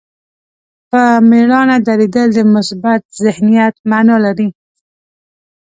په مېړانه درېدل د مثبت ذهنیت معنا لري.